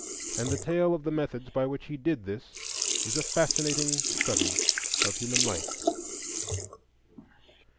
And the tale of the methods by which he did this is a fascinating study of human life.